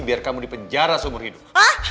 biar kamu dipenjara seumur hidup